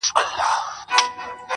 اوس به څوك د پاني پت په توره وياړي،